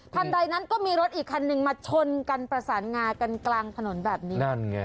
ใดนั้นก็มีรถอีกคันนึงมาชนกันประสานงากันกลางถนนแบบนี้นั่นไง